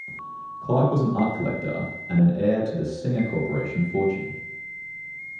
Clark was an art collector and an heir to the Singer Corporation fortune.